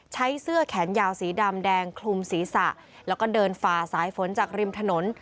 ใช้เสื้อแขนยาวสีดำแดงคลุมศีรษะแล้วก็เดินฝ่าสายฝนจากริมถนน